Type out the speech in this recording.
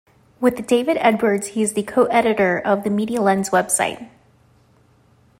With David Edwards, he is a co-editor of the Media Lens website.